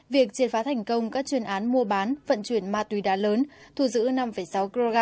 việc triệt phá thành công các chuyên án mua bán vận chuyển ma túy đá lớn thu giữ năm sáu kg